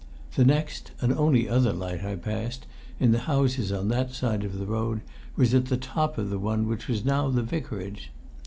The next and only other light I passed, in the houses on that side of the road, was at the top of the one which was now the Vicarage.